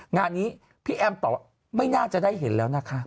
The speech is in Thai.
งานนี้พี่แอมตอบว่าไม่น่าจะได้เห็นแล้วนะคะ